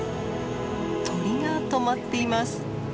鳥がとまっています。